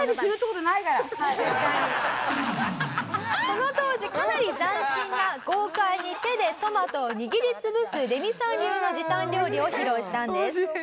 この当時かなり斬新な豪快に手でトマトを握り潰すレミさん流の時短料理を披露したんです。